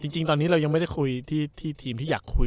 จริงตอนนี้เรายังไม่ได้คุยที่ทีมที่อยากคุย